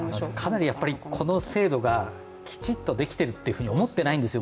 かなりこの制度がきちっとできていると思っていないんですよ。